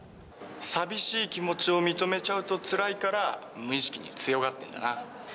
寂しい気持ちを認めちゃうとつらいから無意識に強がってんだな。